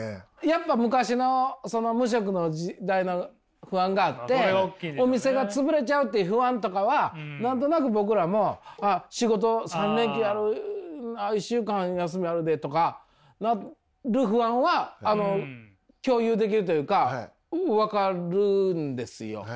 やっぱ昔の無職の時代の不安があってお店がつぶれちゃうっていう不安とかは何となく僕らもああ仕事１週間休みあるでとかなる不安は共有できるというか分かるんですよ。